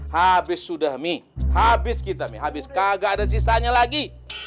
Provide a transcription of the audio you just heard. habis sudah mie habis kita mi habis kagak ada sisanya lagi